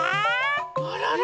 あらら！